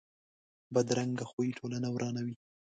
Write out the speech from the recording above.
بدرنګه خوی ټولنه ورانوي